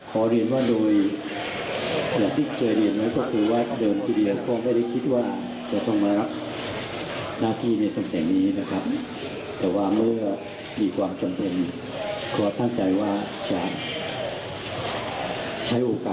ขอเรียนว่าโดยอย่างที่เจอเรียนไหมก็คือว่าเดินทีเดียวก็ไม่ได้คิดว่าจะต้องมารับหน้าที่ในการแข่งนี้นะครับ